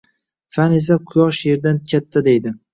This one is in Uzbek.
Fan esa quyosh yerdan katta deydi.